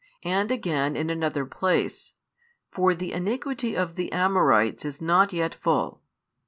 And again in another place: For the iniquity of the Amorites is not yet full.